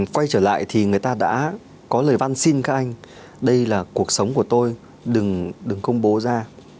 quay trở lại thì người ta đã có lời văn xin các anh đây là cuộc sống của tôi đừng công bố ra